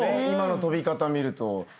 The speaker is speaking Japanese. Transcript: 今の跳び方見ると。